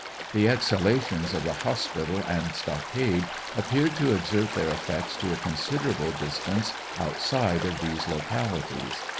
The exhal ations of the hospital and stockade appeared to exert their eff"ects to a considerable distance outside of these localities.